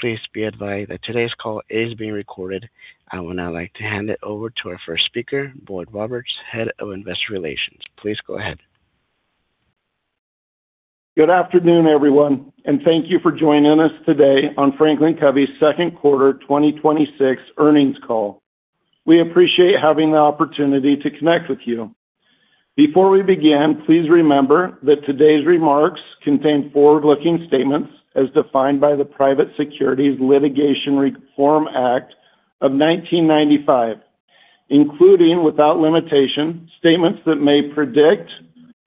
Please be advised that today's call is being recorded. I would now like to hand it over to our first speaker, Boyd Roberts, Head of Investor Relations. Please go ahead. Good afternoon, everyone, and thank you for joining us today on Franklin Covey's second quarter 2026 earnings call. We appreciate having the opportunity to connect with you. Before we begin, please remember that today's remarks contain forward-looking statements as defined by the Private Securities Litigation Reform Act of 1995, including without limitation statements that may predict,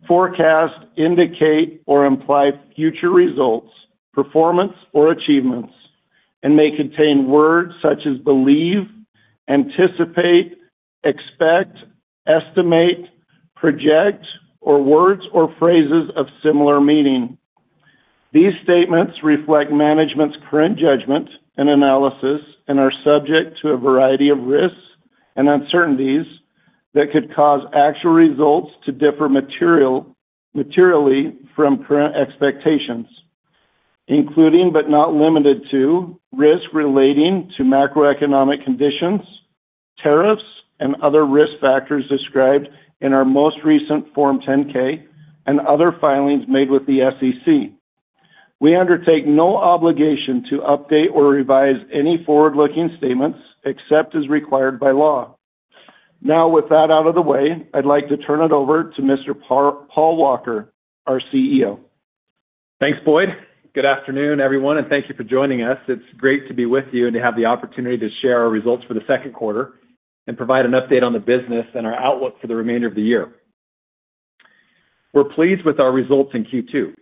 forecast, indicate, or imply future results, performance, or achievements and may contain words such as believe, anticipate, expect, estimate, project, or words or phrases of similar meaning. These statements reflect management's current judgment and analysis and are subject to a variety of risks and uncertainties that could cause actual results to differ materially from current expectations, including, but not limited to risks relating to macroeconomic conditions, tariffs, and other risk factors described in our most recent Form 10-K and other filings made with the SEC. We undertake no obligation to update or revise any forward-looking statements except as required by law. Now, with that out of the way, I'd like to turn it over to Mr. Paul Walker, our CEO. Thanks, Boyd. Good afternoon, everyone, and thank you for joining us. It's great to be with you and to have the opportunity to share our results for the second quarter and provide an update on the business and our outlook for the remainder of the year. We're pleased with our results in Q2.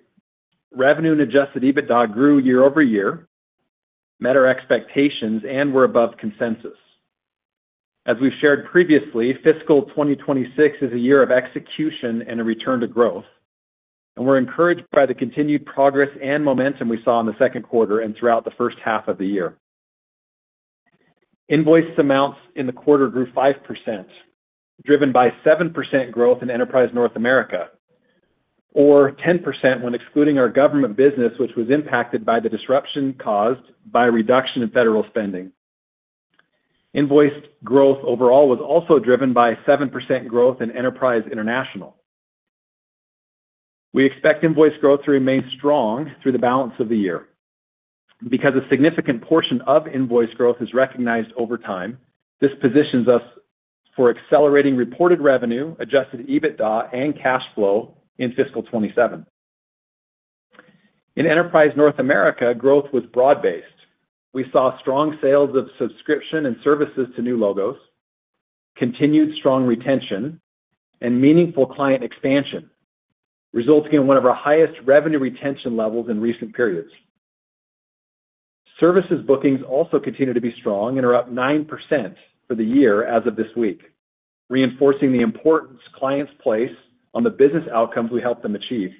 Revenue and Adjusted EBITDA grew year-over-year, met our expectations and were above consensus. As we've shared previously, fiscal 2026 is a year of execution and a return to growth, and we're encouraged by the continued progress and momentum we saw in the second quarter and throughout the first half of the year. Invoiced amounts in the quarter grew 5%, driven by 7% growth in Enterprise North America, or 10% when excluding our government business, which was impacted by the disruption caused by a reduction in federal spending. Invoiced growth overall was also driven by 7% growth in Enterprise International. We expect invoice growth to remain strong through the balance of the year. Because a significant portion of invoice growth is recognized over time, this positions us for accelerating reported revenue, Adjusted EBITDA and cash flow in fiscal 2027. In Enterprise North America, growth was broad-based. We saw strong sales of subscription and services to new logos, continued strong retention and meaningful client expansion, resulting in one of our highest revenue retention levels in recent periods. Services bookings also continue to be strong and are up 9% for the year as of this week, reinforcing the importance clients place on the business outcomes we help them achieve.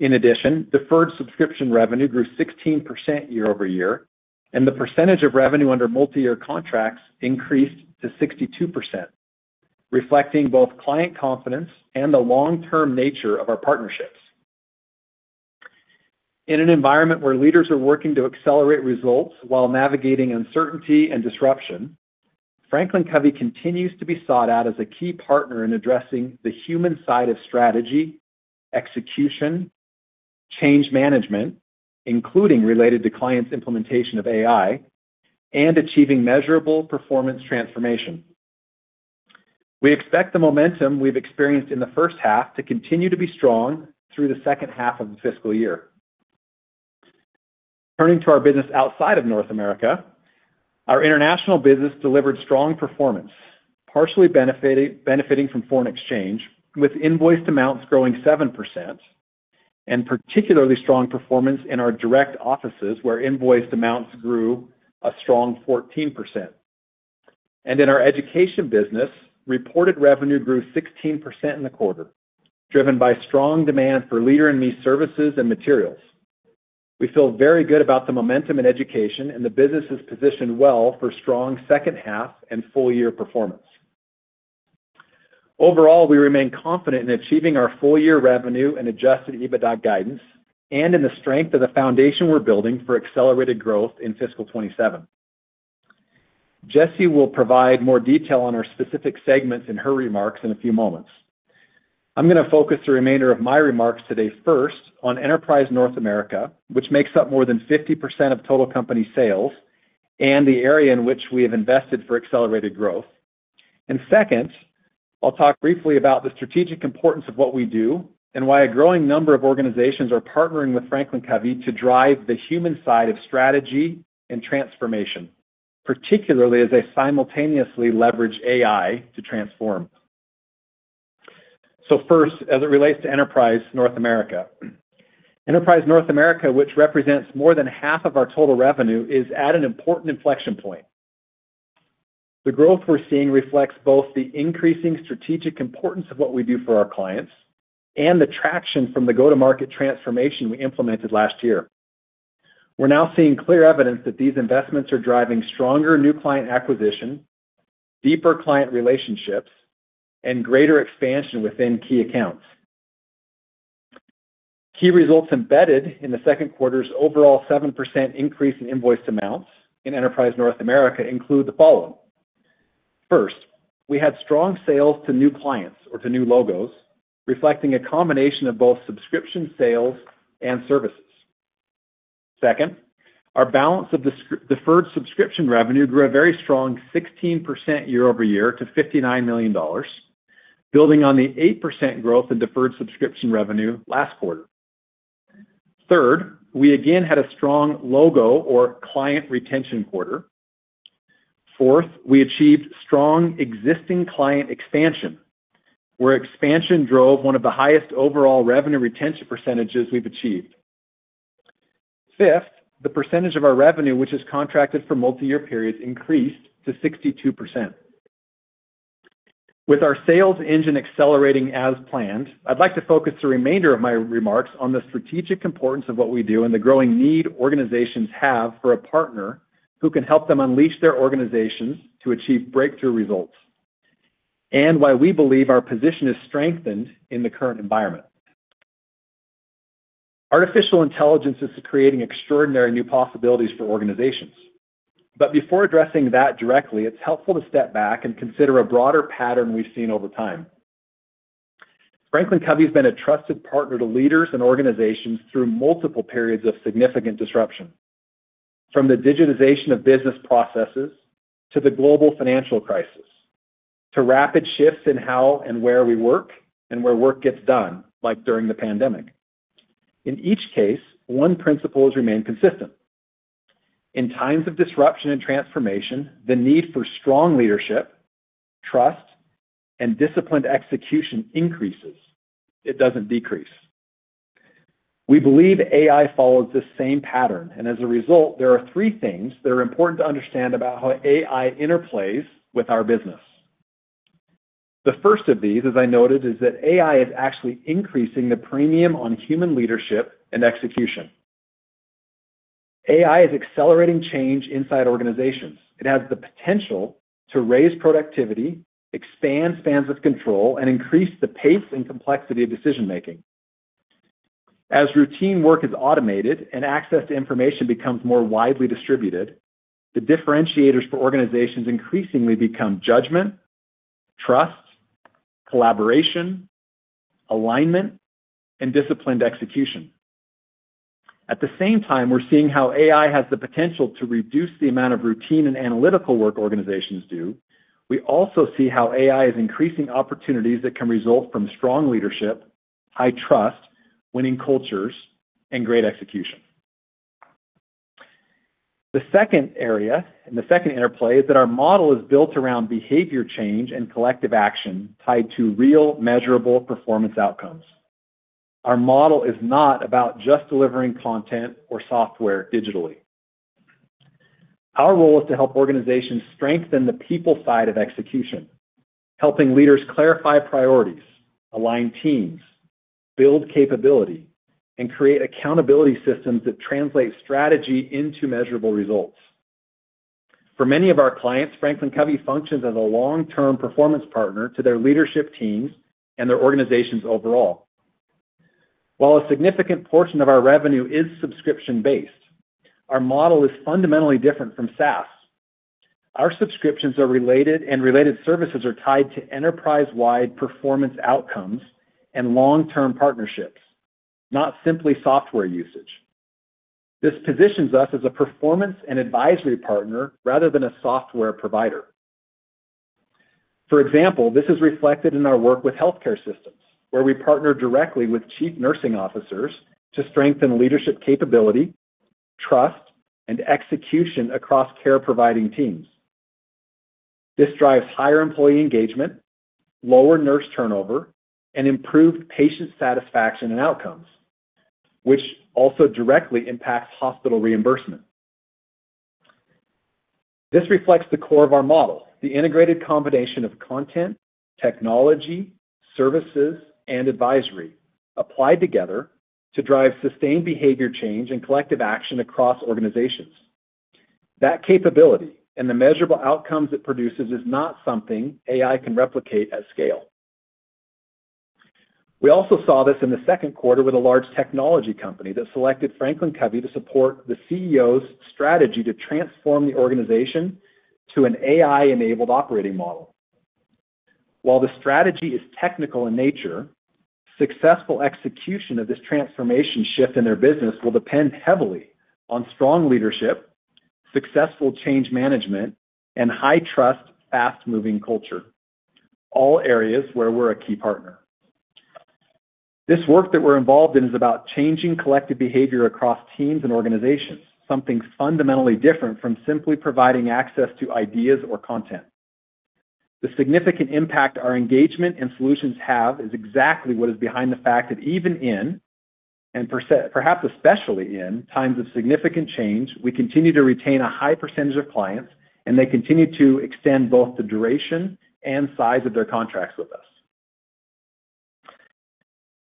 In addition, deferred subscription revenue grew 16% year-over-year, and the percentage of revenue under multiyear contracts increased to 62%, reflecting both client confidence and the long-term nature of our partnerships. In an environment where leaders are working to accelerate results while navigating uncertainty and disruption, Franklin Covey continues to be sought out as a key partner in addressing the human side of strategy, execution, change management, including related to clients' implementation of AI and achieving measurable performance transformation. We expect the momentum we've experienced in the first half to continue to be strong through the second half of the fiscal year. Turning to our business outside of North America, our international business delivered strong performance, partially benefiting from foreign exchange, with invoiced amounts growing 7% and particularly strong performance in our direct offices, where invoiced amounts grew a strong 14%. In our education business, reported revenue grew 16% in the quarter, driven by strong demand for Leader in Me services and materials. We feel very good about the momentum in education, and the business is positioned well for strong second half and full year performance. Overall, we remain confident in achieving our full year revenue and Adjusted EBITDA guidance and in the strength of the foundation we're building for accelerated growth in fiscal 2027. Jesse will provide more detail on our specific segments in her remarks in a few moments. I'm gonna focus the remainder of my remarks today first on Enterprise North America, which makes up more than 50% of total company sales and the area in which we have invested for accelerated growth. Second, I'll talk briefly about the strategic importance of what we do and why a growing number of organizations are partnering with Franklin Covey to drive the human side of strategy and transformation, particularly as they simultaneously leverage AI to transform. First, as it relates to Enterprise North America. Enterprise North America, which represents more than half of our total revenue, is at an important inflection point. The growth we're seeing reflects both the increasing strategic importance of what we do for our clients and the traction from the go-to-market transformation we implemented last year. We're now seeing clear evidence that these investments are driving stronger new client acquisition, deeper client relationships and greater expansion within key accounts. Key results embedded in the second quarter's overall 7% increase in invoiced amounts in Enterprise North America include the following. First, we had strong sales to new clients or to new logos, reflecting a combination of both subscription sales and services. Second, our balance of deferred subscription revenue grew a very strong 16% year-over-year to $59 million, building on the 8% growth in deferred subscription revenue last quarter. Third, we again had a strong logo or client retention quarter. Fourth, we achieved strong existing client expansion, where expansion drove one of the highest overall revenue retention percentages we've achieved. Fifth, the percentage of our revenue, which is contracted for multi-year periods, increased to 62%. With our sales engine accelerating as planned, I'd like to focus the remainder of my remarks on the strategic importance of what we do and the growing need organizations have for a partner who can help them unleash their organizations to achieve breakthrough results, and why we believe our position is strengthened in the current environment. Artificial intelligence is creating extraordinary new possibilities for organizations. Before addressing that directly, it's helpful to step back and consider a broader pattern we've seen over time. Franklin Covey has been a trusted partner to leaders and organizations through multiple periods of significant disruption, from the digitization of business processes to the global financial crisis, to rapid shifts in how and where we work and where work gets done, like during the pandemic. In each case, one principle has remained consistent. In times of disruption and transformation, the need for strong leadership, trust, and disciplined execution increases. It doesn't decrease. We believe AI follows the same pattern, and as a result, there are three things that are important to understand about how AI interplays with our business. The first of these, as I noted, is that AI is actually increasing the premium on human leadership and execution. AI is accelerating change inside organizations. It has the potential to raise productivity, expand spans of control, and increase the pace and complexity of decision-making. As routine work is automated and access to information becomes more widely distributed, the differentiators for organizations increasingly become judgment, trust, collaboration, alignment, and disciplined execution. At the same time, we're seeing how AI has the potential to reduce the amount of routine and analytical work organizations do. We also see how AI is increasing opportunities that can result from strong leadership, high trust, winning cultures, and great execution. The second area and the second interplay is that our model is built around behavior change and collective action tied to real, measurable performance outcomes. Our model is not about just delivering content or software digitally. Our role is to help organizations strengthen the people side of execution, helping leaders clarify priorities, align teams, build capability, and create accountability systems that translate strategy into measurable results. For many of our clients, Franklin Covey functions as a long-term performance partner to their leadership teams and their organizations overall. While a significant portion of our revenue is subscription-based, our model is fundamentally different from SaaS. Our subscriptions are related, and related services are tied to enterprise-wide performance outcomes and long-term partnerships, not simply software usage. This positions us as a performance and advisory partner rather than a software provider. For example, this is reflected in our work with healthcare systems, where we partner directly with chief nursing officers to strengthen leadership capability, trust, and execution across care-providing teams. This drives higher employee engagement, lower nurse turnover, and improved patient satisfaction and outcomes, which also directly impacts hospital reimbursement. This reflects the core of our model, the integrated combination of content, technology, services, and advisory applied together to drive sustained behavior change and collective action across organizations. That capability and the measurable outcomes it produces is not something AI can replicate at scale. We also saw this in the second quarter with a large technology company that selected Franklin Covey to support the CEO's strategy to transform the organization to an AI-enabled operating model. While the strategy is technical in nature, successful execution of this transformation shift in their business will depend heavily on strong leadership, successful change management, and high-trust, fast-moving culture, all areas where we're a key partner. This work that we're involved in is about changing collective behavior across teams and organizations, something fundamentally different from simply providing access to ideas or content. The significant impact our engagement and solutions have is exactly what is behind the fact that even in, and perhaps especially in times of significant change, we continue to retain a high percentage of clients, and they continue to extend both the duration and size of their contracts with us.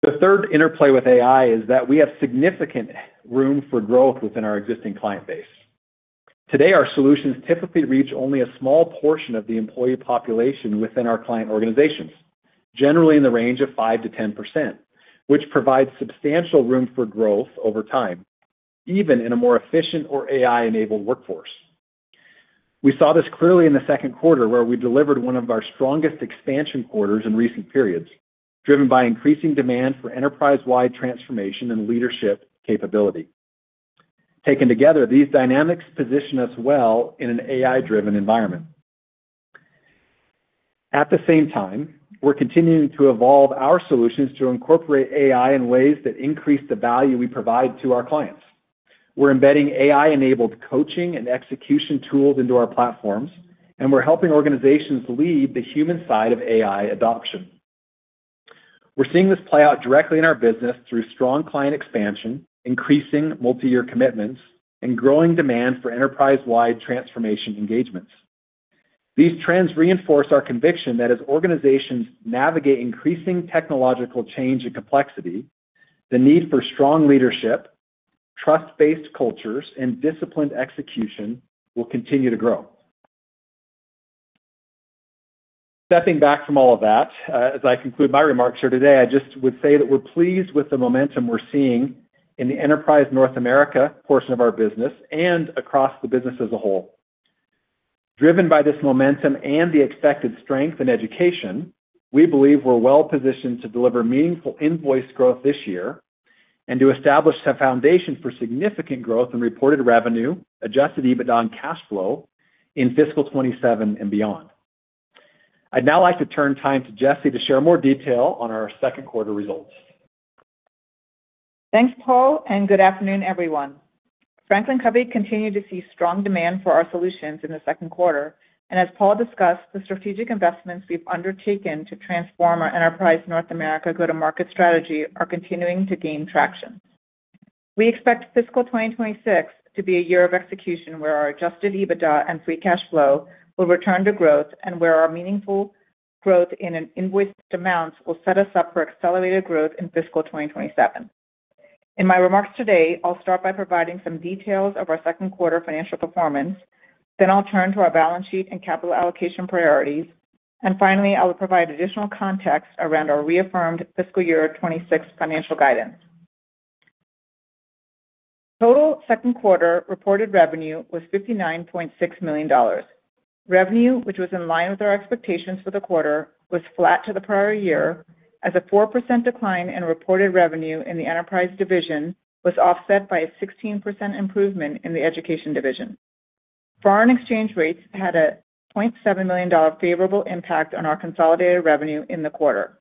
The third interplay with AI is that we have significant room for growth within our existing client base. Today, our solutions typically reach only a small portion of the employee population within our client organizations, generally in the range of 5%-10%, which provides substantial room for growth over time, even in a more efficient or AI-enabled workforce. We saw this clearly in the second quarter, where we delivered one of our strongest expansion quarters in recent periods, driven by increasing demand for enterprise-wide transformation and leadership capability. Taken together, these dynamics position us well in an AI-driven environment. At the same time, we're continuing to evolve our solutions to incorporate AI in ways that increase the value we provide to our clients. We're embedding AI-enabled coaching and execution tools into our platforms, and we're helping organizations lead the human side of AI adoption. We're seeing this play out directly in our business through strong client expansion, increasing multi-year commitments, and growing demand for enterprise-wide transformation engagements. These trends reinforce our conviction that as organizations navigate increasing technological change and complexity, the need for strong leadership, trust-based cultures, and disciplined execution will continue to grow. Stepping back from all of that, as I conclude my remarks here today, I just would say that we're pleased with the momentum we're seeing in the Enterprise North America portion of our business and across the business as a whole. Driven by this momentum and the expected strength in education, we believe we're well-positioned to deliver meaningful invoice growth this year and to establish the foundation for significant growth in reported revenue, Adjusted EBITDA, and cash flow in fiscal 2027 and beyond. I'd now like to turn time to Jessica to share more detail on our second quarter results. Thanks, Paul, and good afternoon, everyone. Franklin Covey continued to see strong demand for our solutions in the second quarter. As Paul discussed, the strategic investments we've undertaken to transform our Enterprise North America go-to-market strategy are continuing to gain traction. We expect fiscal 2026 to be a year of execution where our Adjusted EBITDA and free cash flow will return to growth and where our meaningful growth in an invoiced amount will set us up for accelerated growth in fiscal 2027. In my remarks today, I'll start by providing some details of our second quarter financial performance, then I'll turn to our balance sheet and capital allocation priorities, and finally, I will provide additional context around our reaffirmed fiscal year 2026 financial guidance. Total second quarter reported revenue was $59.6 million. Revenue, which was in line with our expectations for the quarter, was flat to the prior year as a 4% decline in reported revenue in the Enterprise Division was offset by a 16% improvement in the Education Division. Foreign exchange rates had a $0.7 million favorable impact on our consolidated revenue in the quarter.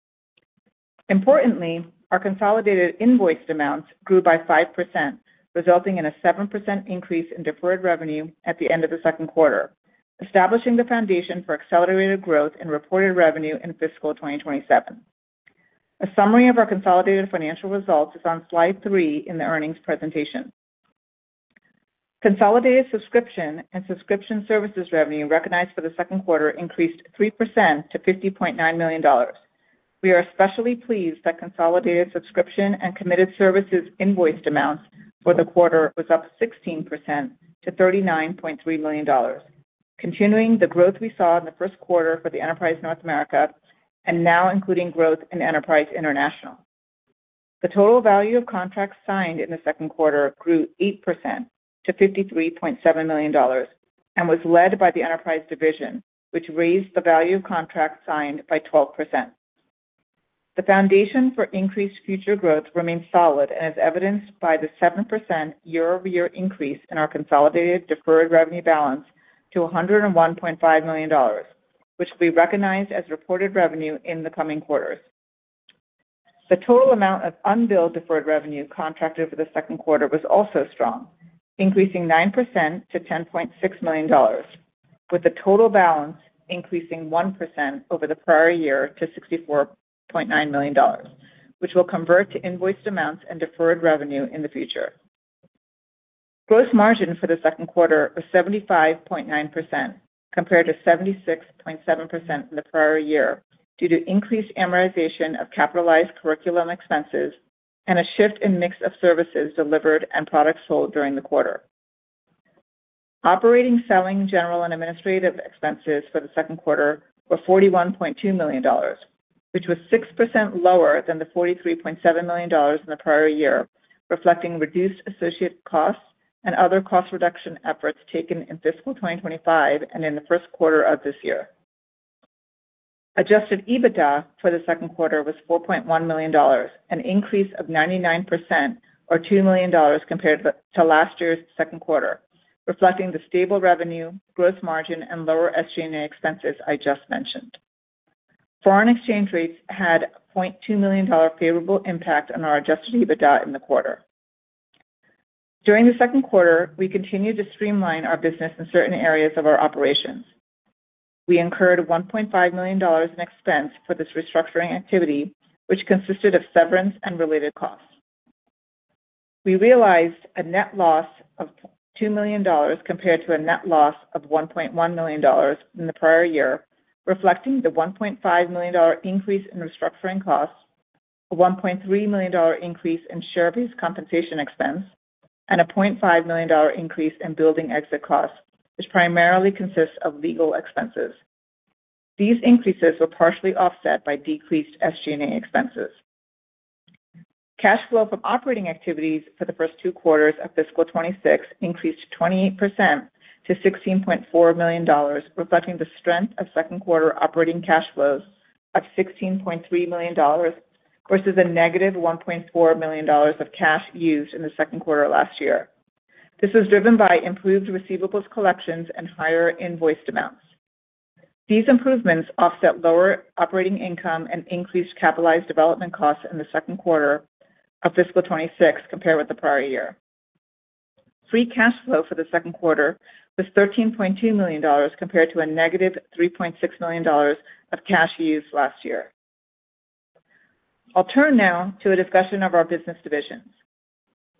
Importantly, our consolidated invoiced amounts grew by 5%, resulting in a 7% increase in deferred revenue at the end of the second quarter, establishing the foundation for accelerated growth in reported revenue in fiscal 2027. A summary of our consolidated financial results is on slide three in the earnings presentation. Consolidated subscription and subscription services revenue recognized for the second quarter increased 3% to $50.9 million. We are especially pleased that consolidated subscription and committed services invoiced amounts for the quarter was up 16% to $39.3 million, continuing the growth we saw in the first quarter for the Enterprise North America and now including growth in Enterprise International. The total value of contracts signed in the second quarter grew 8% to $53.7 million and was led by the Enterprise Division, which raised the value of contracts signed by 12%. The foundation for increased future growth remains solid and is evidenced by the 7% year-over-year increase in our consolidated deferred revenue balance to $101.5 million, which will be recognized as reported revenue in the coming quarters. The total amount of unbilled deferred revenue contracted for the second quarter was also strong, increasing 9% to $10.6 million, with the total balance increasing 1% over the prior year to $64.9 million, which will convert to invoiced amounts and deferred revenue in the future. Gross margin for the second quarter was 75.9% compared to 76.7% in the prior year due to increased amortization of capitalized curriculum expenses and a shift in mix of services delivered and products sold during the quarter. Operating, selling, general, and administrative expenses for the second quarter were $41.2 million, which was 6% lower than the $43.7 million in the prior year, reflecting reduced associate costs and other cost reduction efforts taken in fiscal 2025 and in the first quarter of this year. Adjusted EBITDA for the second quarter was $4.1 million, an increase of 99% or $2 million compared to last year's second quarter, reflecting the stable revenue, gross margin, and lower SG&A expenses I just mentioned. Foreign exchange rates had a $0.2 million favorable impact on our adjusted EBITDA in the quarter. During the second quarter, we continued to streamline our business in certain areas of our operations. We incurred $1.5 million in expense for this restructuring activity, which consisted of severance and related costs. We realized a net loss of $2 million compared to a net loss of $1.1 million in the prior year, reflecting the $1.5 million increase in restructuring costs, a $1.3 million increase in share-based compensation expense, and a $0.5 million increase in building exit costs, which primarily consists of legal expenses. These increases were partially offset by decreased SG&A expenses. Cash flow from operating activities for the first two quarters of fiscal 2026 increased 28% to $16.4 million, reflecting the strength of second quarter operating cash flows of $16.3 million versus a negative $1.4 million of cash used in the second quarter last year. This was driven by improved receivables collections and higher invoiced amounts. These improvements offset lower operating income and increased capitalized development costs in the second quarter of fiscal 2026 compared with the prior year. Free cash flow for the second quarter was $13.2 million compared to a negative $3.6 million of cash used last year. I'll turn now to a discussion of our business divisions.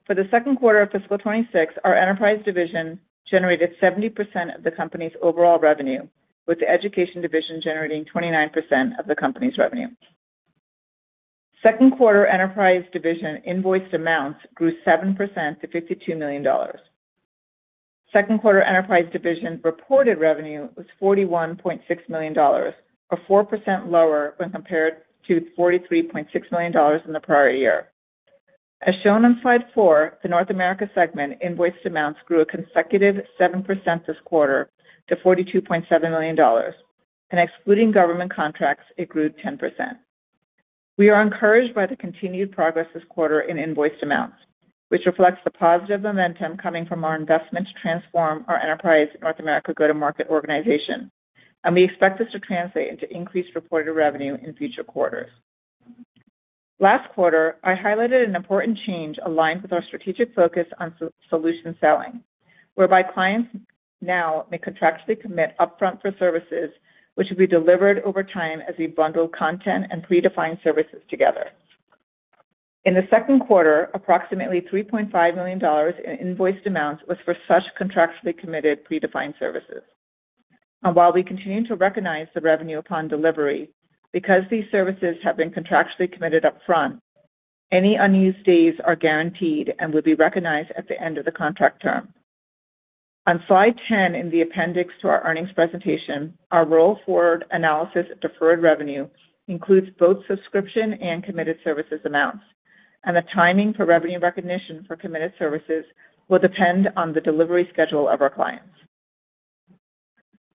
For the second quarter of fiscal 2026, our Enterprise Division generated 70% of the company's overall revenue, with the Education Division generating 29% of the company's revenue. Second quarter Enterprise Division invoiced amounts grew 7% to $52 million. Second quarter Enterprise Division reported revenue was $41.6 million, or 4% lower when compared to $43.6 million in the prior year. As shown on slide four, the Enterprise North America segment invoiced amounts grew a consecutive 7% this quarter to $42.7 million, and excluding government contracts, it grew 10%. We are encouraged by the continued progress this quarter in invoiced amounts, which reflects the positive momentum coming from our investment to transform our Enterprise North America go-to-market organization. We expect this to translate into increased reported revenue in future quarters. Last quarter, I highlighted an important change aligned with our strategic focus on solution selling, whereby clients now may contractually commit upfront for services which will be delivered over time as we bundle content and predefined services together. In the second quarter, approximately $3.5 million in invoiced amounts was for such contractually committed predefined services. While we continue to recognize the revenue upon delivery, because these services have been contractually committed upfront, any unused days are guaranteed and will be recognized at the end of the contract term. On slide 10 in the appendix to our earnings presentation, our roll-forward analysis of deferred revenue includes both subscription and committed services amounts, and the timing for revenue recognition for committed services will depend on the delivery schedule of our clients.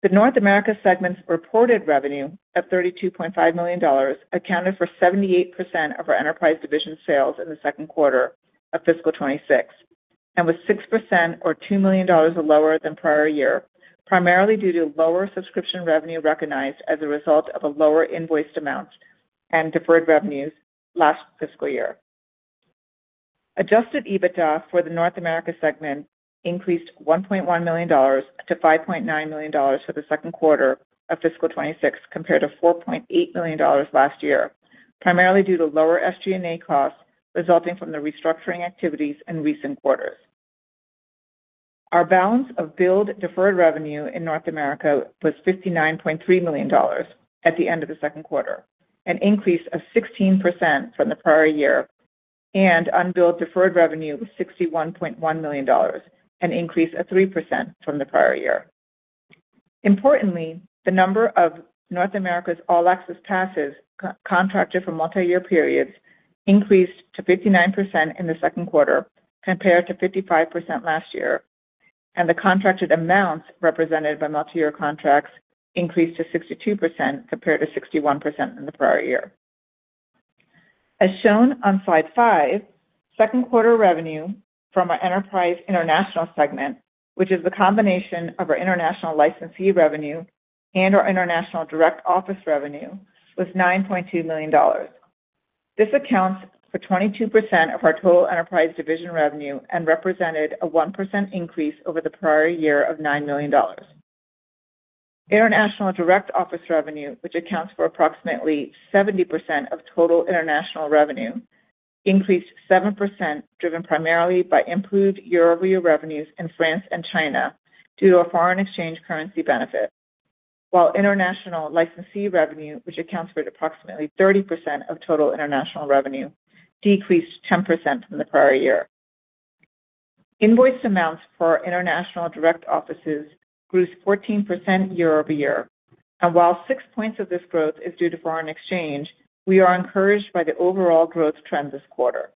The North America segment's reported revenue of $32.5 million accounted for 78% of our enterprise division sales in the second quarter of fiscal 2026, and was 6% or $2 million lower than prior year, primarily due to lower subscription revenue recognized as a result of a lower invoiced amount and deferred revenues last fiscal year. Adjusted EBITDA for the North America segment increased $1.1 million to $5.9 million for the second quarter of fiscal 2026 compared to $4.8 million last year, primarily due to lower SG&A costs resulting from the restructuring activities in recent quarters. Our balance of billed deferred revenue in North America was $59.3 million at the end of the second quarter, an increase of 16% from the prior year, and unbilled deferred revenue was $61.1 million, an increase of 3% from the prior year. Importantly, the number of North America's All Access Passes contracted for multi-year periods increased to 59% in the second quarter compared to 55% last year, and the contracted amounts represented by multi-year contracts increased to 62% compared to 61% in the prior year. As shown on slide five, second quarter revenue from our Enterprise International segment, which is the combination of our international licensee revenue and our international direct office revenue, was $9.2 million. This accounts for 22% of our total Enterprise Division revenue and represented a 1% increase over the prior year of $9 million. International direct office revenue, which accounts for approximately 70% of total international revenue, increased 7%, driven primarily by improved year-over-year revenues in France and China due to a foreign exchange currency benefit, while international licensee revenue, which accounts for approximately 30% of total international revenue, decreased 10% from the prior year. Invoiced amounts for our international direct offices grew 14% year-over-year, and while 6 points of this growth is due to foreign exchange, we are encouraged by the overall growth trend this quarter.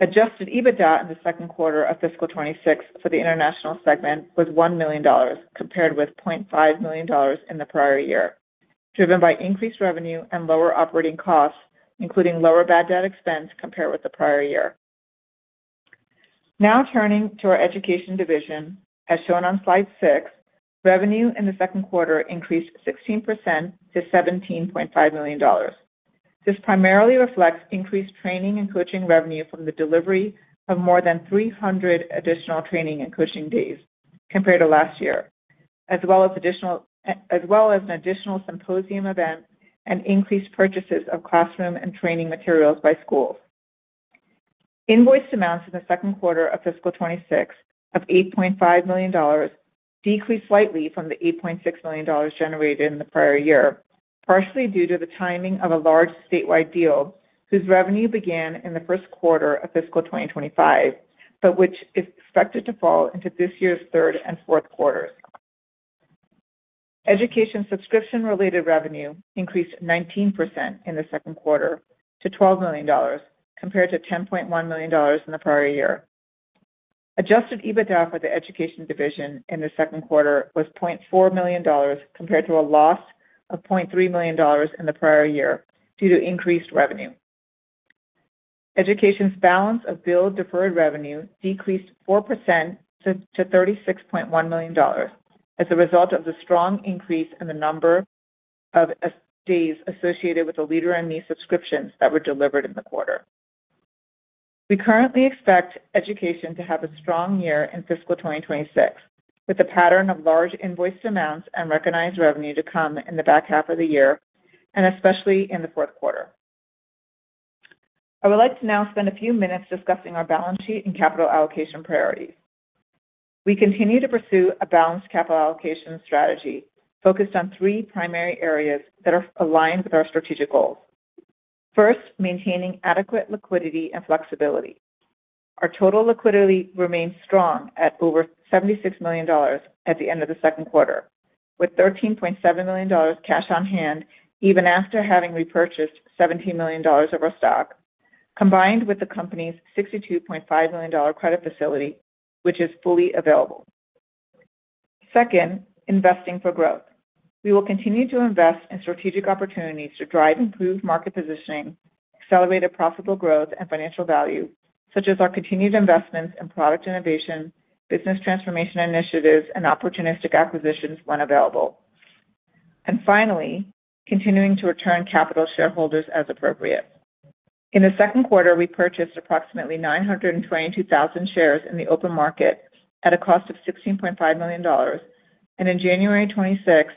Adjusted EBITDA in the second quarter of fiscal 2026 for the international segment was $1 million, compared with $0.5 million in the prior year, driven by increased revenue and lower operating costs, including lower bad debt expense compared with the prior year. Now, turning to our education division, as shown on slide six, revenue in the second quarter increased 16% to $17.5 million. This primarily reflects increased training and coaching revenue from the delivery of more than 300 additional training and coaching days compared to last year, as well as an additional symposium event and increased purchases of classroom and training materials by schools. Invoiced amounts in the second quarter of fiscal 2026 of $8.5 million decreased slightly from the $8.6 million generated in the prior year, partially due to the timing of a large statewide deal whose revenue began in the first quarter of fiscal 2025, but which is expected to fall into this year's third and fourth quarters. Education subscription-related revenue increased 19% in the second quarter to $12 million compared to $10.1 million in the prior year. Adjusted EBITDA for the education division in the second quarter was $0.4 million compared to a loss of $0.3 million in the prior year due to increased revenue. Education's balance of billed deferred revenue decreased 4% to $36.1 million as a result of the strong increase in the number of school days associated with the Leader in Me subscriptions that were delivered in the quarter. We currently expect education to have a strong year in fiscal 2026, with a pattern of large invoiced amounts and recognized revenue to come in the back half of the year, and especially in the fourth quarter. I would like to now spend a few minutes discussing our balance sheet and capital allocation priorities. We continue to pursue a balanced capital allocation strategy focused on three primary areas that are aligned with our strategic goals. First, maintaining adequate liquidity and flexibility. Our total liquidity remains strong at over $76 million at the end of the second quarter, with $13.7 million cash on hand even after having repurchased $17 million of our stock, combined with the company's $62.5 million credit facility, which is fully available. Second, investing for growth. We will continue to invest in strategic opportunities to drive improved market positioning, accelerated profitable growth and financial value, such as our continued investments in product innovation, business transformation initiatives, and opportunistic acquisitions when available. Finally, continuing to return capital to shareholders as appropriate. In the second quarter, we purchased approximately 922,000 shares in the open market at a cost of $16.5 million, and in January 2026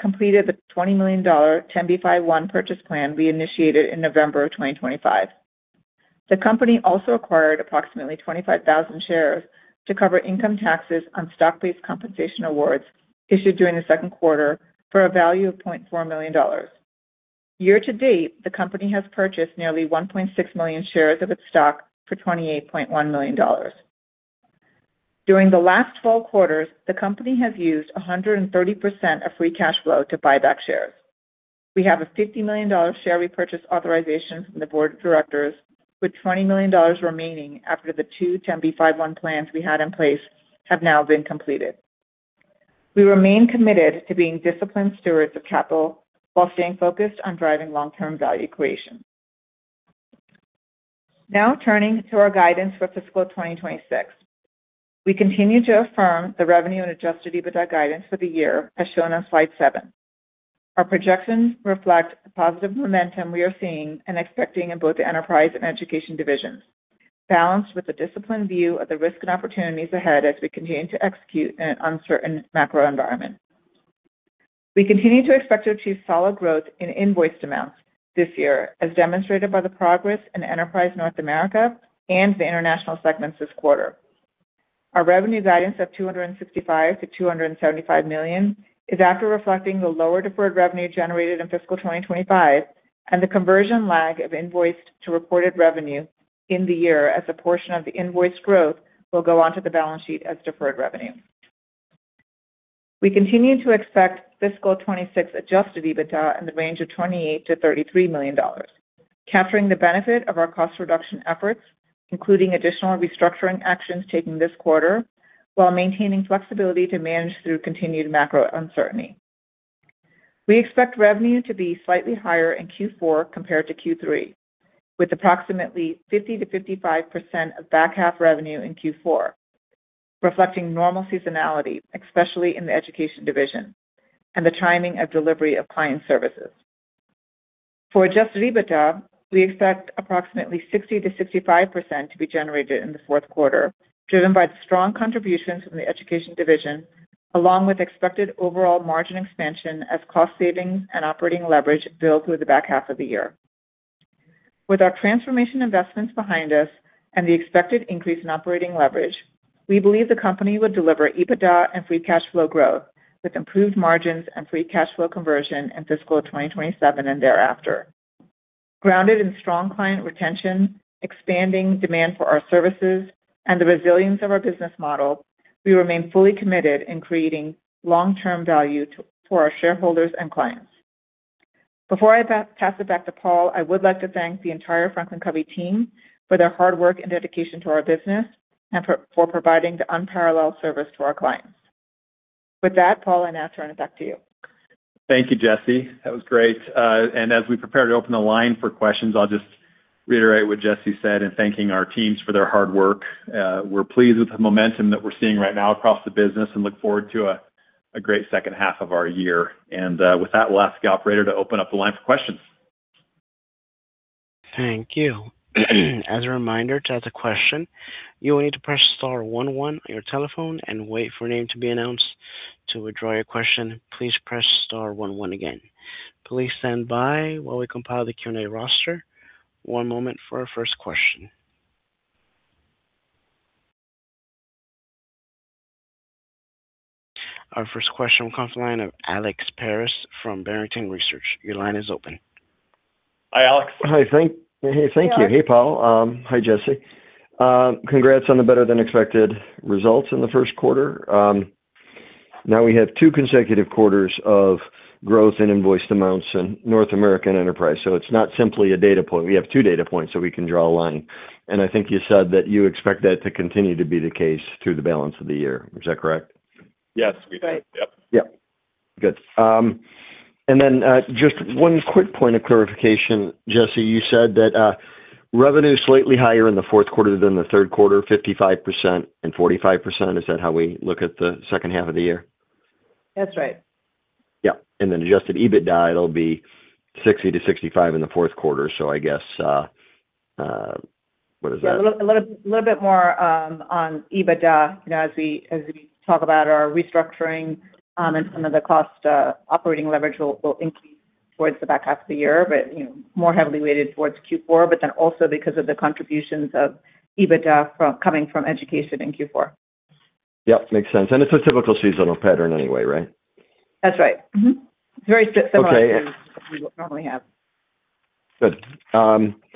completed the $20 million 10b5-1 purchase plan we initiated in November of 2025. The company also acquired approximately 25,000 shares to cover income taxes on stock-based compensation awards issued during the second quarter for a value of $0.4 million. Year-to-date, the company has purchased nearly 1.6 million shares of its stock for $28.1 million. During the last 12 quarters, the company has used 130% of free cash flow to buy back shares. We have a $50 million share repurchase authorization from the board of directors, with $20 million remaining after the two 10b5-1 plans we had in place have now been completed. We remain committed to being disciplined stewards of capital while staying focused on driving long-term value creation. Now turning to our guidance for fiscal 2026. We continue to affirm the revenue and Adjusted EBITDA guidance for the year, as shown on slide seven. Our projections reflect the positive momentum we are seeing and expecting in both the enterprise and education divisions, balanced with a disciplined view of the risk and opportunities ahead as we continue to execute in an uncertain macro environment. We continue to expect to achieve solid growth in invoiced amounts this year, as demonstrated by the progress in Enterprise North America and the international segments this quarter. Our revenue guidance of $265 million-$275 million is after reflecting the lower deferred revenue generated in fiscal 2025 and the conversion lag of invoiced to reported revenue in the year as a portion of the invoiced growth will go onto the balance sheet as deferred revenue. We continue to expect fiscal 2026 Adjusted EBITDA in the range of $28 million-$33 million, capturing the benefit of our cost reduction efforts, including additional restructuring actions taken this quarter, while maintaining flexibility to manage through continued macro uncertainty. We expect revenue to be slightly higher in Q4 compared to Q3, with approximately 50%-55% of back half revenue in Q4, reflecting normal seasonality, especially in the education division, and the timing of delivery of client services. For Adjusted EBITDA, we expect approximately 60%-65% to be generated in the fourth quarter, driven by the strong contributions from the education division, along with expected overall margin expansion as cost savings and operating leverage build through the back half of the year. With our transformation investments behind us and the expected increase in operating leverage, we believe the company will deliver EBITDA and free cash flow growth with improved margins and free cash flow conversion in fiscal 2027 and thereafter. Grounded in strong client retention, expanding demand for our services, and the resilience of our business model, we remain fully committed in creating long-term value to, for our shareholders and clients. Before I pass it back to Paul, I would like to thank the entire Franklin Covey team for their hard work and dedication to our business and for providing the unparalleled service to our clients. With that, Paul, I now turn it back to you. Thank you, Jesse. That was great. As we prepare to open the line for questions, I'll just reiterate what Jesse said in thanking our teams for their hard work. We're pleased with the momentum that we're seeing right now across the business and look forward to a great second half of our year. With that, we'll ask the operator to open up the line for questions. Thank you. As a reminder, to ask a question, you will need to press star one one on your telephone and wait for a name to be announced. To withdraw your question, please press star one one again. Please stand by while we compile the Q&A roster. One moment for our first question. Our first question will come from the line of Alex Paris from Barrington Research. Your line is open. Hi, Alex. Hi. Hey, thank you. Hey, Paul. Hi, Jesse. Congrats on the better than expected results in the first quarter. Now we have two consecutive quarters of growth in invoiced amounts in Enterprise North America. It's not simply a data point. We have two data points, so we can draw a line. I think you said that you expect that to continue to be the case through the balance of the year. Is that correct? Yes, we do. Right. Yep. Yeah. Good. Just one quick point of clarification, Jesse, you said that revenue is slightly higher in the fourth quarter than the third quarter, 55% and 45%. Is that how we look at the second half of the year? That's right. Yeah. Adjusted EBITDA, it'll be 60-65 in the fourth quarter. I guess, what is that? Yeah. A little bit more on EBITDA, you know, as we talk about our restructuring and some of the cost operating leverage will increase towards the back half of the year, but you know, more heavily weighted towards Q4, but then also because of the contributions of EBITDA coming from education in Q4. Yep, makes sense. It's a typical seasonal pattern anyway, right? That's right. Mm-hmm. It's very similar to. Okay. We would normally have. Good. The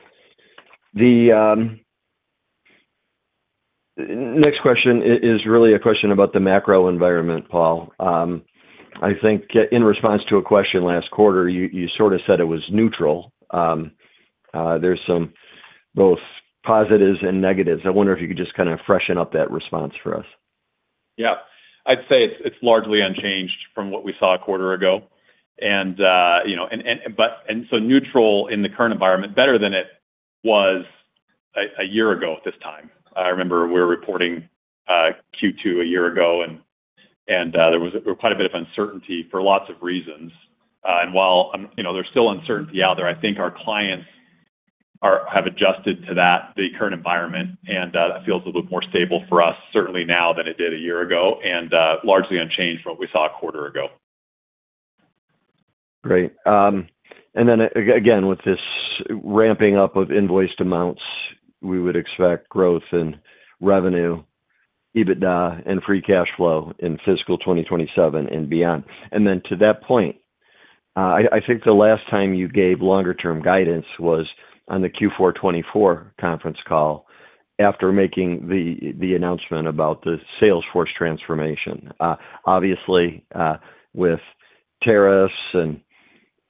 next question is really a question about the macro environment, Paul. I think in response to a question last quarter, you sort of said it was neutral. There's some both positives and negatives. I wonder if you could just kind of freshen up that response for us. Yeah. I'd say it's largely unchanged from what we saw a quarter ago. You know, and so neutral in the current environment, better than it was a year ago at this time. I remember we were reporting Q2 a year ago and there was quite a bit of uncertainty for lots of reasons. While you know, there's still uncertainty out there, I think our clients have adjusted to that, the current environment, and that feels a little more stable for us certainly now than it did a year ago, and largely unchanged from what we saw a quarter ago. Great. Again, with this ramping up of invoiced amounts, we would expect growth in revenue, EBITDA, and free cash flow in fiscal 2027 and beyond. Then to that point, I think the last time you gave longer term guidance was on the Q4 2024 conference call after making the announcement about the sales force transformation. Obviously, with tariffs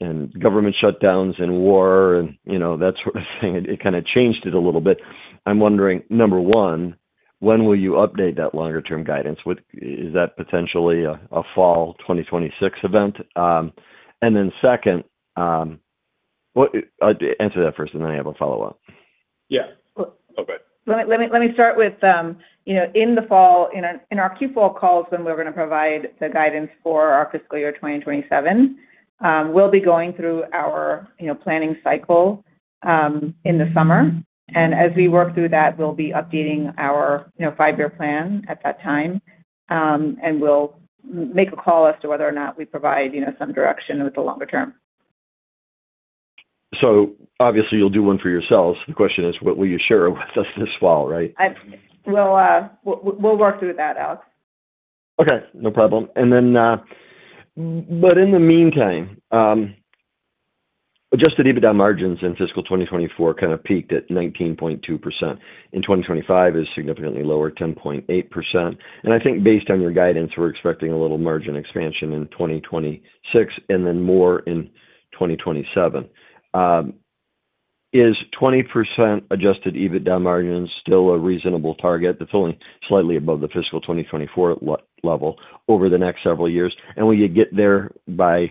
and government shutdowns and war and, you know, that sort of thing, it kinda changed it a little bit. I'm wondering, number one, when will you update that longer term guidance? Is that potentially a fall 2026 event? Second, what, answer that first, and then I have a follow-up. Yeah. Well- Okay. Let me start with, you know, in the fall, in our Q4 calls, when we're gonna provide the guidance for our fiscal year 2027, we'll be going through our, you know, planning cycle, in the summer. As we work through that, we'll be updating our, you know, five-year plan at that time, and we'll make a call as to whether or not we provide, you know, some direction with the longer term. Obviously you'll do one for yourselves. The question is, will you share it with us this fall, right? We'll work through that, Alex. Okay, no problem. Then, but in the meantime, Adjusted EBITDA margins in fiscal 2024 kinda peaked at 19.2%. In 2025, it is significantly lower, 10.8%. I think based on your guidance, we're expecting a little margin expansion in 2026 and then more in 2027. Is 20% Adjusted EBITDA margin still a reasonable target that's only slightly above the fiscal 2024 level over the next several years? Will you get there by,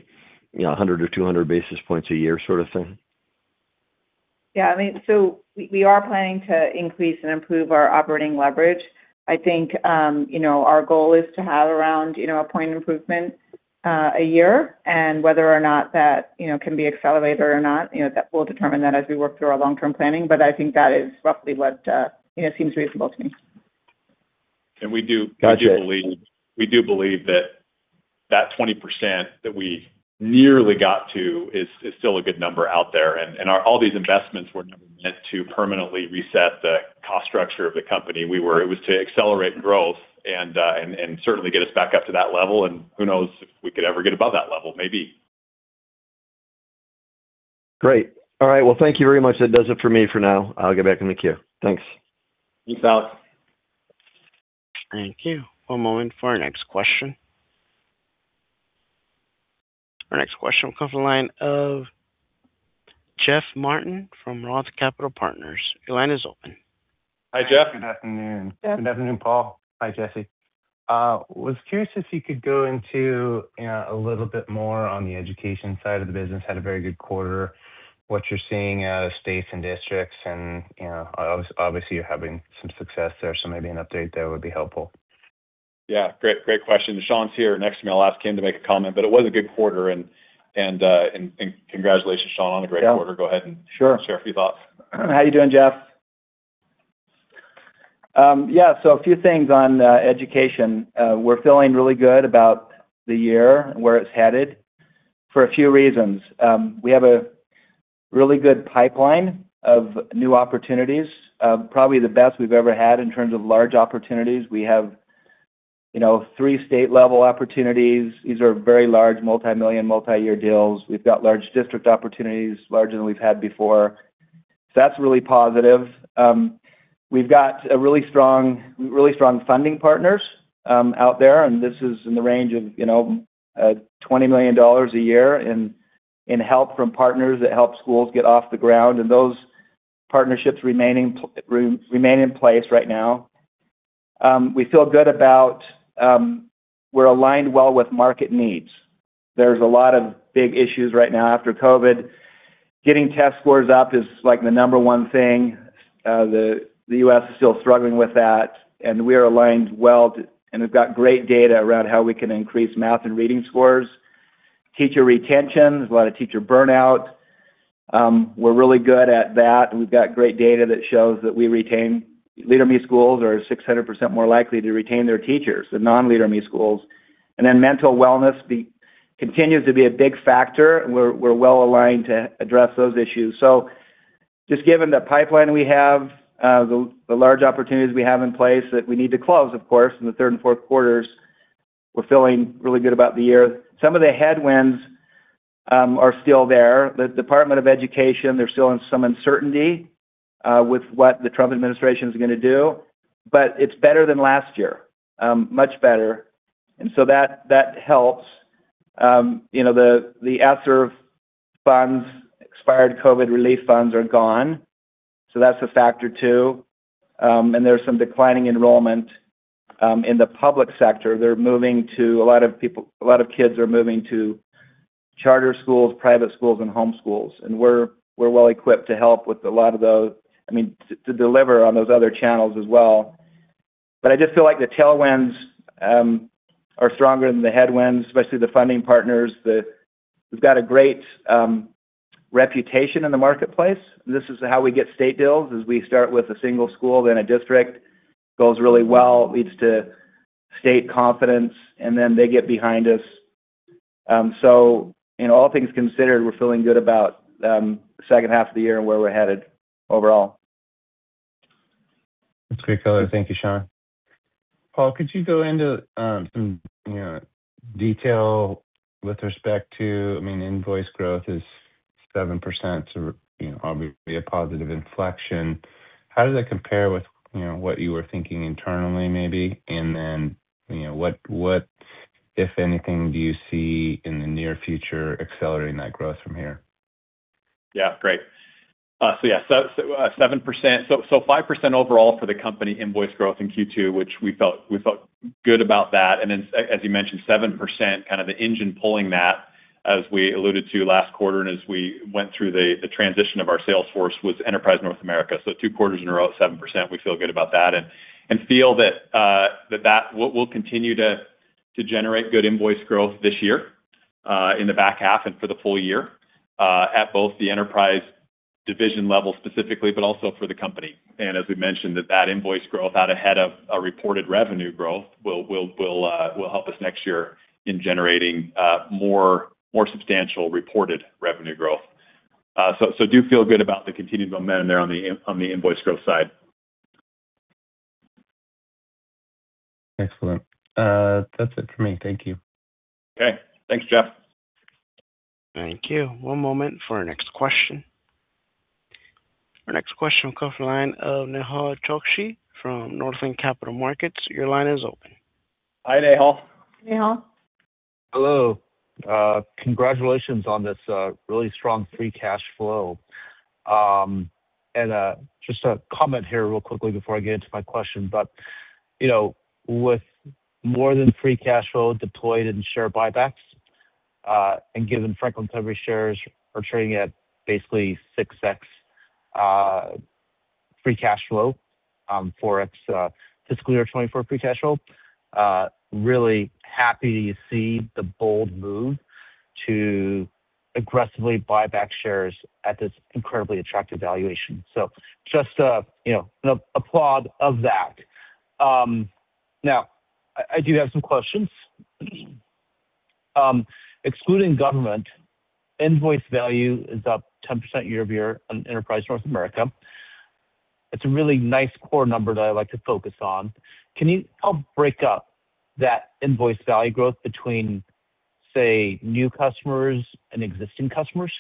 you know, 100 or 200 basis points a year sort of thing? Yeah, I mean, we are planning to increase and improve our operating leverage. I think, you know, our goal is to have around, you know, a point improvement a year, and whether or not that, you know, can be accelerated or not, you know, that we'll determine that as we work through our long-term planning. I think that is roughly what, you know, seems reasonable to me. And we do- Gotcha. We do believe that 20% that we nearly got to is still a good number out there. All these investments were never meant to permanently reset the cost structure of the company. It was to accelerate growth and certainly get us back up to that level. Who knows if we could ever get above that level. Maybe. Great. All right. Well, thank you very much. That does it for me for now. I'll get back in the queue. Thanks. Thanks, Alex. Thank you. One moment for our next question. Our next question will come from the line of Jeff Martin from Roth Capital Partners. Your line is open. Hi, Jeff. Good afternoon. Jeff. Good afternoon, Paul. Hi, Jesse. I was curious if you could go into a little bit more on the education side of the business. Had a very good quarter. What you're seeing, states and districts and, you know, obviously, you're having some success there, so maybe an update there would be helpful. Yeah, great question. Sean's here next to me. I'll ask him to make a comment, but it was a good quarter and congratulations, Sean, on a great quarter. Yeah. Go ahead and- Sure Share a few thoughts. How are you doing, Jeff? Yeah, a few things on education. We're feeling really good about the year and where it's headed for a few reasons. We have a really good pipeline of new opportunities, probably the best we've ever had in terms of large opportunities. We have, you know, three state-level opportunities. These are very large multi-million, multi-year deals. We've got large district opportunities, larger than we've had before. That's really positive. We've got a really strong funding partners out there, and this is in the range of, you know, $20 million a year in help from partners that help schools get off the ground, and those partnerships remain in place right now. We feel good about. We're aligned well with market needs. There's a lot of big issues right now after COVID. Getting test scores up is, like, the number one thing. The U.S. is still struggling with that, and we are aligned well. We've got great data around how we can increase math and reading scores. Teacher retention. There's a lot of teacher burnout. We're really good at that. We've got great data that shows that Leader in Me schools are 600% more likely to retain their teachers than non-Leader in Me schools. Mental wellness continues to be a big factor, and we're well-aligned to address those issues. Just given the pipeline we have, the large opportunities we have in place that we need to close, of course, in the third and fourth quarters, we're feeling really good about the year. Some of the headwinds are still there. The Department of Education, they're still in some uncertainty with what the Trump administration is gonna do, but it's better than last year, much better. That helps. You know, the ESSER funds, expired COVID relief funds are gone, so that's a factor too. There's some declining enrollment in the public sector. A lot of kids are moving to charter schools, private schools, and home schools. We're well-equipped to help with a lot of those. I mean, to deliver on those other channels as well. I just feel like the tailwinds are stronger than the headwinds, especially the funding partners. We've got a great reputation in the marketplace. This is how we get state deals, is we start with a single school, then a district. Goes really well, leads to state confidence, and then they get behind us. You know, all things considered, we're feeling good about the second half of the year and where we're headed overall. That's great color. Thank you, Sean. Paul, could you go into, you know, detail with respect to, I mean, invoice growth is 7%, so you know, obviously a positive inflection. How does that compare with, you know, what you were thinking internally maybe? You know, what, if anything, do you see in the near future accelerating that growth from here? Yeah. Great. 7%. 5% overall for the company invoice growth in Q2, which we felt good about that. Then as you mentioned, 7%, kind of the engine pulling that, as we alluded to last quarter and as we went through the transition of our sales force was Enterprise North America. Two quarters in a row at 7%, we feel good about that. We feel that we'll continue to generate good invoice growth this year in the back half and for the full year at both the Enterprise Division level specifically, but also for the company. As we mentioned, that invoice growth out ahead of reported revenue growth will help us next year in generating more substantial reported revenue growth. So do feel good about the continued momentum there on the invoice growth side. Excellent. That's it for me. Thank you. Okay. Thanks, Jeff. Thank you. One moment for our next question. Our next question will come from the line of Nehal Chokshi from Northland Capital Markets. Your line is open. Hi, Nehal. Nehal. Hello. Congratulations on this really strong free cash flow. Just a comment here real quickly before I get into my question. You know, with more than free cash flow deployed in share buybacks, and given Franklin Covey shares are trading at basically 6x free cash flow for its fiscal year 2024 free cash flow, really happy to see the bold move to aggressively buy back shares at this incredibly attractive valuation. You know, I applaud that. Now I do have some questions. Excluding government, invoice value is up 10% year-over-year on Enterprise North America. It's a really nice core number that I like to focus on. Can you help break up that invoice value growth between, say, new customers and existing customers?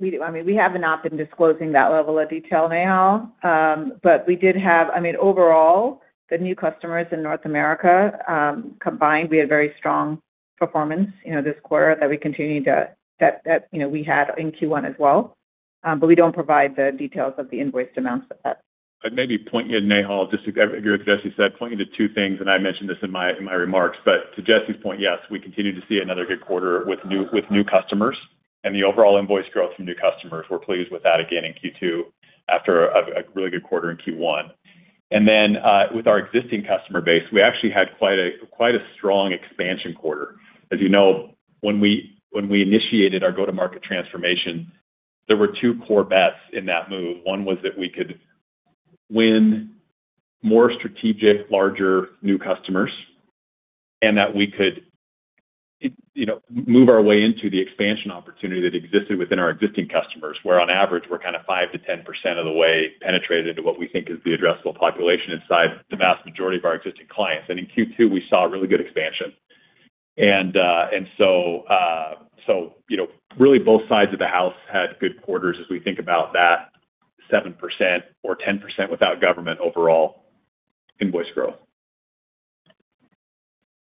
We do. I mean, we have not been disclosing that level of detail, Nehal. We did have, I mean, overall, the new customers in North America, combined, we had very strong performance, you know, this quarter that you know, we had in Q1 as well. We don't provide the details of the invoiced amounts of that. I'd maybe point you, Nehal, I agree with what Jesse said, point you to two things, and I mentioned this in my remarks. To Jesse's point, yes, we continue to see another good quarter with new customers and the overall invoice growth from new customers, we're pleased with that again in Q2 after a really good quarter in Q1. With our existing customer base, we actually had quite a strong expansion quarter. As you know, when we initiated our go-to-market transformation, there were two core bets in that move. One was that we could win more strategic, larger new customers, and that we could, you know, move our way into the expansion opportunity that existed within our existing customers, where on average, we're kinda 5%-10% of the way penetrated to what we think is the addressable population inside the vast majority of our existing clients. In Q2, we saw a really good expansion. So, you know, really both sides of the house had good quarters as we think about that 7% or 10% without government overall invoice growth.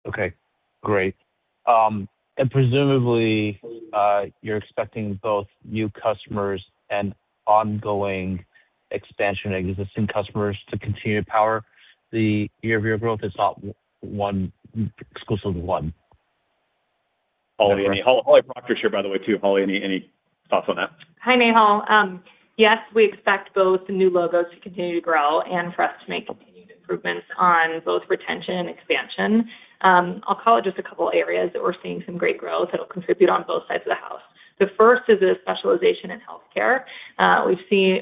Okay, great. Presumably, you're expecting both new customers and ongoing expansion of existing customers to continue to power the year-over-year growth. It's not one, exclusive one. Holly Procter's here by the way, too. Holly, any thoughts on that? Hi, Nahal. Yes, we expect both the new logos to continue to grow and for us to make continued improvements on both retention and expansion. I'll call it just a couple areas that we're seeing some great growth that'll contribute on both sides of the house. The first is a specialization in healthcare.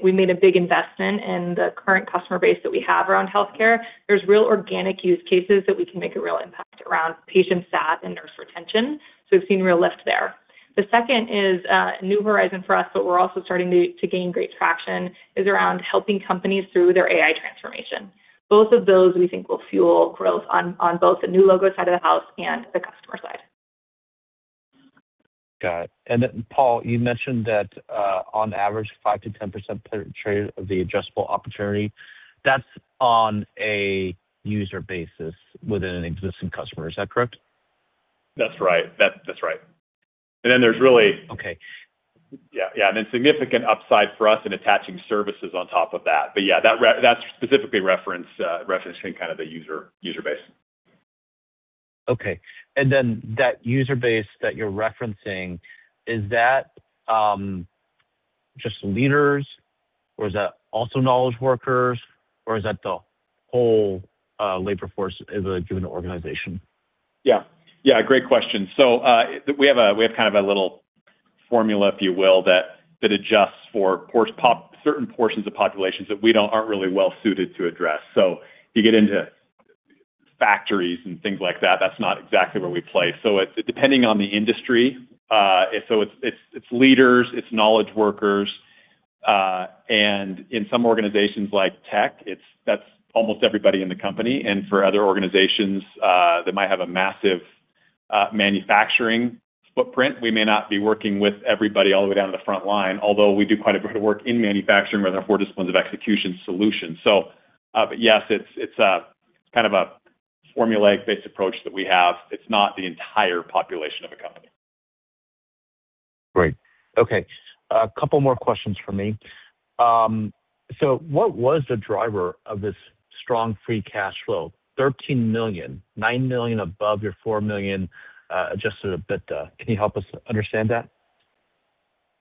We made a big investment in the current customer base that we have around healthcare. There's real organic use cases that we can make a real impact around patient sat and nurse retention, so we've seen real lift there. The second is a new horizon for us, but we're also starting to gain great traction, is around helping companies through their AI transformation. Both of those we think will fuel growth on both the new logo side of the house and the customer side. Got it. Paul, you mentioned that, on average, 5%-10% penetrated of the addressable opportunity. That's on a user basis within an existing customer. Is that correct? That's right. There's really Okay. Yeah, yeah. Significant upside for us in attaching services on top of that. Yeah, that's specifically referencing kind of the user base. Okay. That user base that you're referencing, is that just leaders, or is that also knowledge workers, or is that the whole labor force as a given organization? Yeah. Yeah, great question. We have kind of a little formula, if you will, that adjusts for certain portions of populations that we aren't really well suited to address. You get into factories and things like that. That's not exactly where we play. Depending on the industry, it's leaders, it's knowledge workers, and in some organizations like tech, it's that almost everybody in the company. For other organizations that might have a massive manufacturing footprint, we may not be working with everybody all the way down to the front line, although we do quite a bit of work in manufacturing with our 4 Disciplines of Execution solution. Yes, it's a kind of a formulaic based approach that we have. It's not the entire population of a company. Great. Okay. A couple more questions from me. What was the driver of this strong free cash flow? $13 million, $9 million above your $4 million Adjusted EBITDA. Can you help us understand that?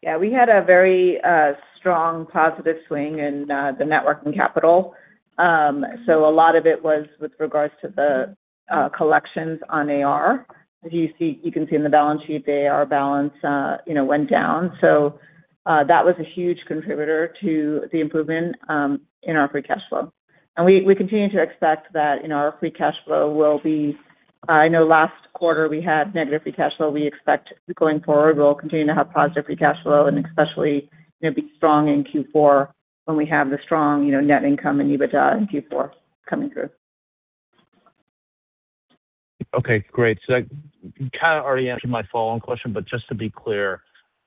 Yeah. We had a very strong positive swing in the net working capital. A lot of it was with regards to the collections on AR. You can see in the balance sheet, the AR balance, you know, went down. That was a huge contributor to the improvement in our free cash flow. We continue to expect that, you know, our free cash flow will be. I know last quarter we had negative free cash flow. We expect going forward, we'll continue to have positive free cash flow and especially, you know, be strong in Q4 when we have the strong, you know, net income and EBITDA in Q4 coming through. Okay, great. That kinda already answered my follow-on question, but just to be clear,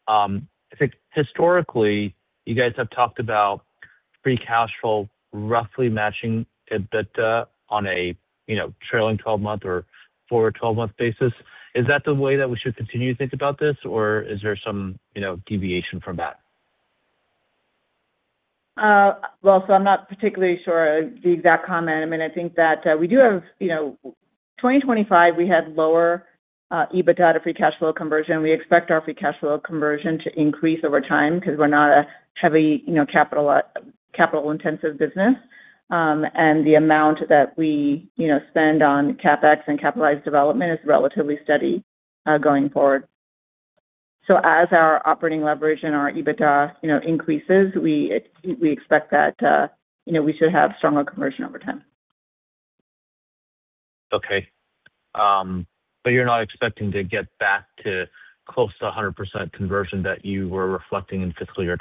I think historically you guys have talked about free cash flow roughly matching EBITDA on a, you know, trailing 12-month or forward 12-month basis. Is that the way that we should continue to think about this, or is there some, you know, deviation from that? Well, I'm not particularly sure the exact comment. I mean, I think that we do have, you know, 2025, we had lower EBITDA to free cash flow conversion. We expect our free cash flow conversion to increase over time 'cause we're not a heavy, you know, capital-intensive business. The amount that we, you know, spend on CapEx and capitalized development is relatively steady, going forward. As our operating leverage and our EBITDA, you know, increases, we expect that, you know, we should have stronger conversion over time. Okay. You're not expecting to get back to close to 100% conversion that you were reflecting in fiscal year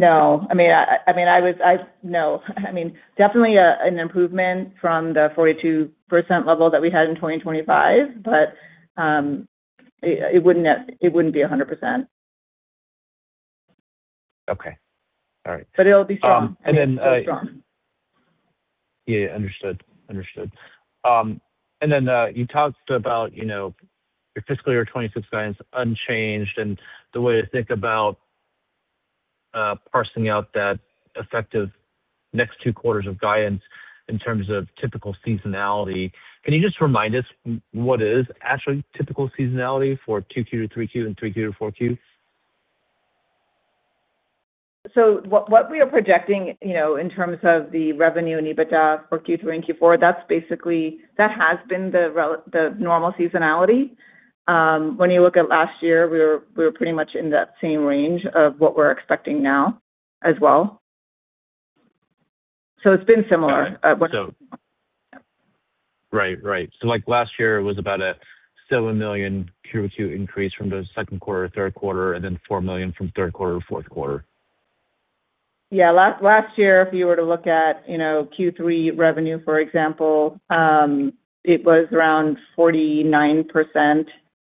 2024? No. I mean, definitely an improvement from the 42% level that we had in 2025, but it wouldn't be 100%. Okay. All right. It'll be strong. Um, and then, uh- It'll be strong. Yeah, understood. You talked about, you know, your fiscal year 2026 guidance unchanged and the way to think about parsing out that effective next two quarters of guidance in terms of typical seasonality. Can you just remind us what is actually typical seasonality for 2Q to 3Q and 3Q to 4Q? What we are projecting, you know, in terms of the revenue and EBITDA for Q3 and Q4, that's basically the normal seasonality. When you look at last year, we were pretty much in that same range of what we're expecting now as well. It's been similar at what- Like last year it was about a $7 million Q2Q increase from the second quarter to third quarter and then $4 million from third quarter to fourth quarter. Yeah. Last year, if you were to look at, you know, Q3 revenue, for example, it was around 49%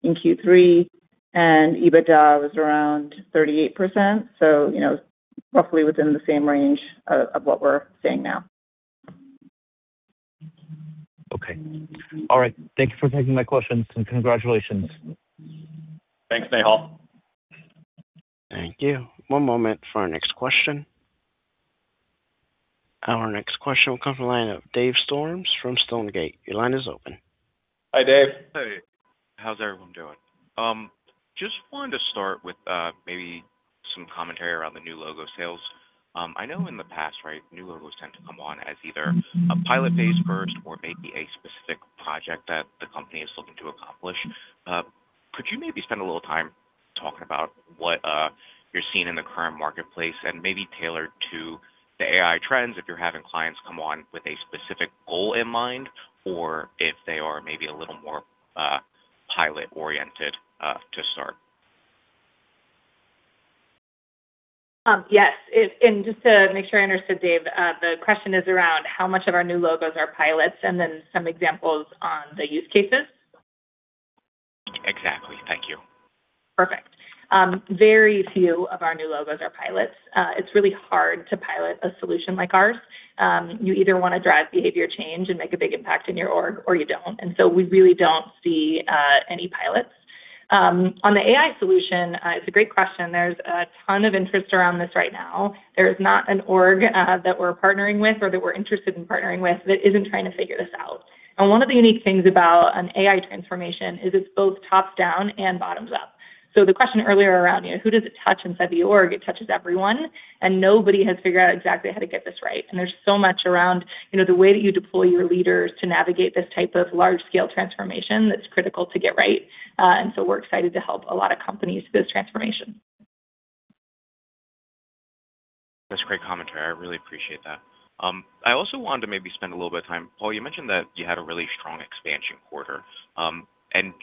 in Q3 and EBITDA was around 38%. You know, roughly within the same range of what we're saying now. Okay. All right. Thank you for taking my questions and congratulations. Thanks, Nehal. Thank you. One moment for our next question. Our next question will come from the line of Dave Storms from Stonegate. Your line is open. Hi, Dave. Hey. How's everyone doing? Just wanted to start with maybe some commentary around the new logo sales. I know in the past, right, new logos tend to come on as either a pilot phase first or maybe a specific project that the company is looking to accomplish. Could you maybe spend a little time talking about what you're seeing in the current marketplace and maybe tailored to the AI trends if you're having clients come on with a specific goal in mind, or if they are maybe a little more pilot-oriented to start? Yes. Just to make sure I understood, Dave, the question is around how much of our new logos are pilots and then some examples on the use cases. Exactly. Thank you. Perfect. Very few of our new logos are pilots. It's really hard to pilot a solution like ours. You either wanna drive behavior change and make a big impact in your org or you don't. We really don't see any pilots. On the AI solution, it's a great question. There's a ton of interest around this right now. There is not an org that we're partnering with or that we're interested in partnering with that isn't trying to figure this out. One of the unique things about an AI transformation is it's both tops down and bottoms up. The question earlier around, you know, who does it touch inside the org, it touches everyone, and nobody has figured out exactly how to get this right. There's so much around, you know, the way that you deploy your leaders to navigate this type of large scale transformation that's critical to get right. We're excited to help a lot of companies with this transformation. That's great commentary. I really appreciate that. I also wanted to maybe spend a little bit of time. Paul, you mentioned that you had a really strong expansion quarter.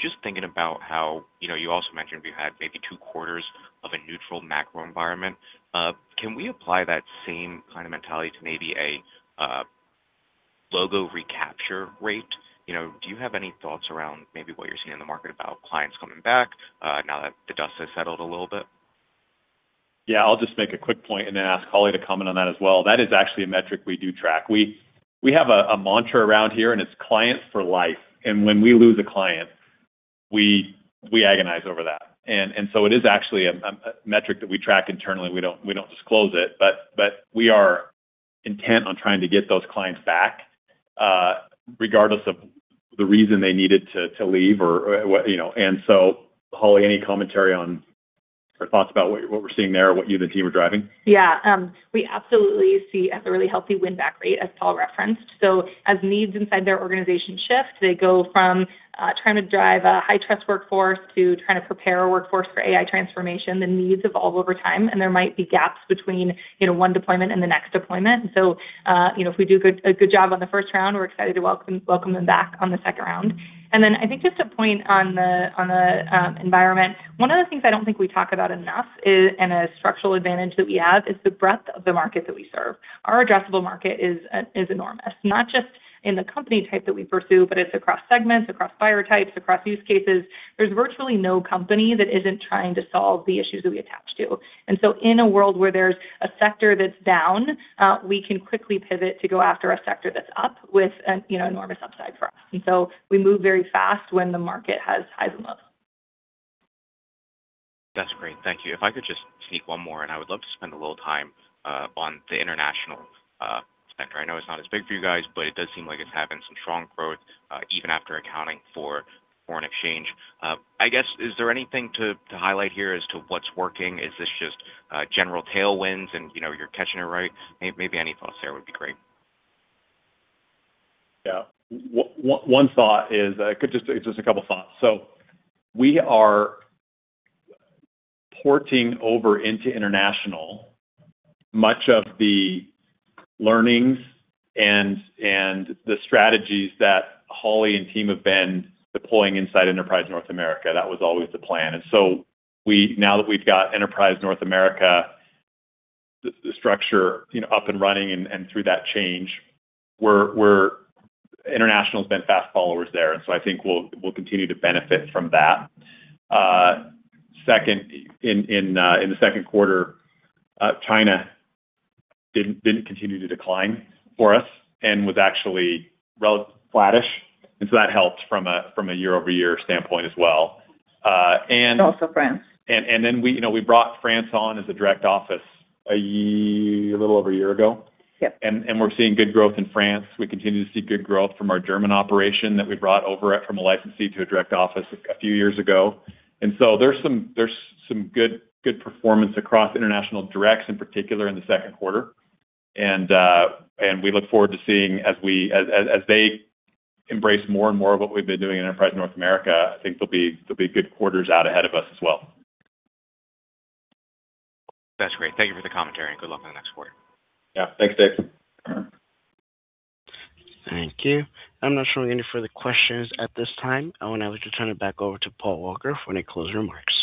Just thinking about how, you know, you also mentioned you had maybe two quarters of a neutral macro environment. Can we apply that same kind of mentality to maybe a logo recapture rate? You know, do you have any thoughts around maybe what you're seeing in the market about clients coming back, now that the dust has settled a little bit? Yeah. I'll just make a quick point and then ask Holly to comment on that as well. That is actually a metric we do track. We have a mantra around here, and it's client for life. When we lose a client, we agonize over that. It is actually a metric that we track internally. We don't disclose it, but we are intent on trying to get those clients back, regardless of the reason they needed to leave or, you know. Holly, any commentary on or thoughts about what we're seeing there or what you and the team are driving? Yeah. We absolutely see a really healthy win-back rate as Paul referenced. As needs inside their organization shift, they go from trying to drive a high-trust workforce to trying to prepare a workforce for AI transformation, the needs evolve over time, and there might be gaps between, you know, one deployment and the next deployment. You know, if we do a good job on the first round, we're excited to welcome them back on the second round. Then I think just to point on the environment, one of the things I don't think we talk about enough is a structural advantage that we have, the breadth of the market that we serve. Our addressable market is enormous, not just in the company type that we pursue, but it's across segments, across buyer types, across use cases. There's virtually no company that isn't trying to solve the issues that we attach to. In a world where there's a sector that's down, we can quickly pivot to go after a sector that's up with an, you know, enormous upside for us. We move very fast when the market has highs and lows. That's great. Thank you. If I could just sneak one more, and I would love to spend a little time on the international sector. I know it's not as big for you guys, but it does seem like it's having some strong growth, even after accounting for foreign exchange. I guess, is there anything to highlight here as to what's working? Is this just general tailwinds and, you know, you're catching it right? Maybe any thoughts there would be great. Yeah. One thought is just a couple thoughts. We are porting over into international much of the learnings and the strategies that Holly and team have been deploying inside Enterprise North America. That was always the plan. Now that we've got Enterprise North America, the structure, you know, up and running and through that change, international's been fast followers there. I think we'll continue to benefit from that. Second, in the second quarter, China didn't continue to decline for us and was actually flattish, and so that helped from a year-over-year standpoint as well. Also France. We, you know, we brought France on as a direct office a little over a year ago. Yep. We're seeing good growth in France. We continue to see good growth from our German operation that we brought over from a licensee to a direct office a few years ago. There's some good performance across international directs in particular in the second quarter. We look forward to seeing as they embrace more and more of what we've been doing in Enterprise North America. I think there'll be good quarters out ahead of us as well. That's great. Thank you for the commentary and good luck on the next quarter. Yeah. Thanks, Dave. Thank you. I'm not showing any further questions at this time. I would now like to turn it back over to Paul Walker for any closing remarks.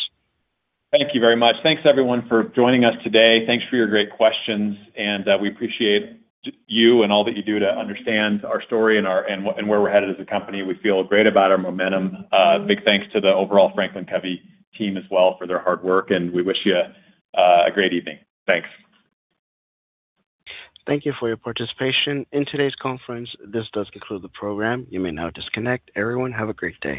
Thank you very much. Thanks everyone for joining us today. Thanks for your great questions, and we appreciate you and all that you do to understand our story and where we're headed as a company. We feel great about our momentum. Big thanks to the overall Franklin Covey team as well for their hard work, and we wish you a great evening. Thanks. Thank you for your participation in today's conference. This does conclude the program. You may now disconnect. Everyone, have a great day.